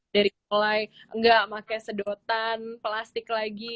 dari mulai enggak pakai sedotan plastik lagi